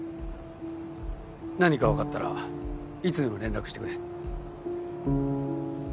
何か分かったらいつでも連絡してくれ。